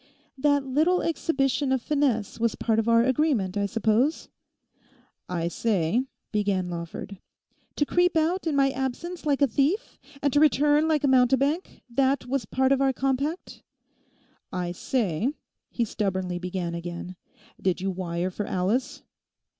'That little exhibition of finesse was part of our agreement, I suppose?' 'I say—' began Lawford. 'To creep out in my absence like a thief, and to return like a mountebank; that was part of our compact?' 'I say,' he stubbornly began again, 'did you wire for Alice?